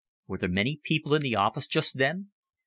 "Were there many people in the office just then?"